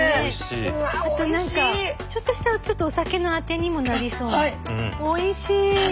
あと何かちょっとしたお酒のあてにもなりそうな。